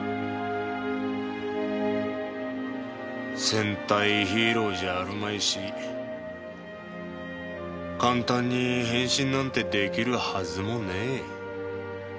戦隊ヒーローじゃあるまいし簡単に変身なんて出来るはずもねえ。